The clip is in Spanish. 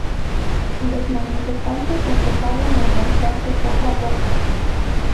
Los manifestantes empezaron a marcharse poco a poco.